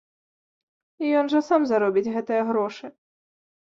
Ён жа сам заробіць гэтыя грошы!